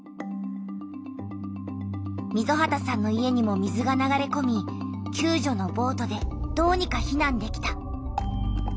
溝端さんの家にも水が流れこみきゅう助のボートでどうにか避難できた。